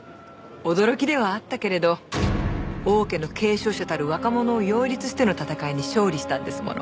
驚きではあったけれど王家の継承者たる若者を擁立しての戦いに勝利したんですもの。